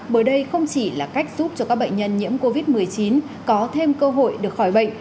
bởi đây không chỉ là cách giúp cho các bệnh nhân nhiễm covid một mươi chín có thêm cơ hội được khỏi bệnh